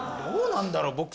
どうなんだろう？